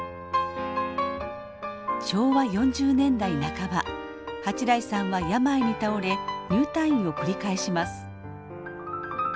昭和４０年代半ば八大さんは病に倒れ入退院を繰り返します。